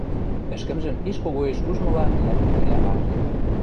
ӹшкӹмжӹм пиш когоэш ужмыла йӓл вӹкӹлӓ анжен